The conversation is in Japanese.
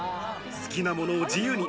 好きなものを自由に。